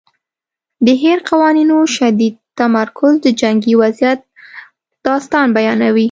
د هیر قوانینو شدید تمرکز د جنګي وضعیت داستان بیانوي.